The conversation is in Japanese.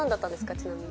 ちなみに。